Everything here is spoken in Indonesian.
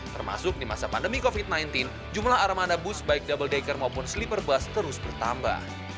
termasuk di masa pandemi covid sembilan belas jumlah armada bus baik double decker maupun sleeper bus terus bertambah